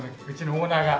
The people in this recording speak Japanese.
オーナーが。